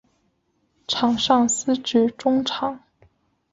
场上司职中场。